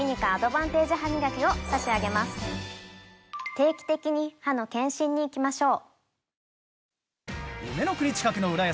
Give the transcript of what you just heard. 定期的に歯の健診に行きましょう。